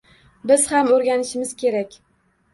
Biz ham oʻrganishimiz kerak.